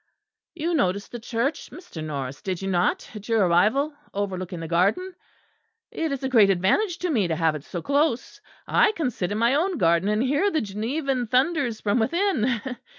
"You noticed the church, Mr. Norris, did you not, at your arrival, overlooking the garden? It is a great advantage to me to have it so close. I can sit in my own garden and hear the Genevan thunders from within.